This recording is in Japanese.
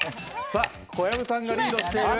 小籔さんがリードしている。